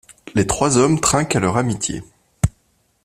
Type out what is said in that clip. Les trois hommes trinquent à leur amitié.